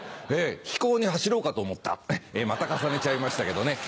ヒコウに走ろうかと思ったまた重ねちゃいましたけどね。